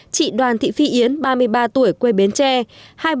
chị đoàn thị phi yến ba mươi ba tuổi quê bến tre